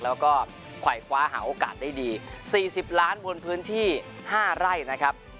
แล้วก็ไขว่คว้าหาโอกาสได้ดี๔๐ล้านบนพื้นที่๕ไร่นะครับ